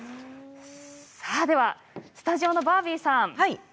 さあではスタジオのバービーさん